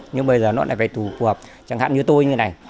nhưng bây giờ nó lại phải phù hợp chẳng hạn như tôi như thế này